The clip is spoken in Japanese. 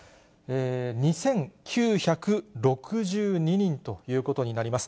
２９６２人ということになります。